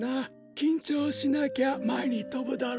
きんちょうしなきゃまえにとぶだろ。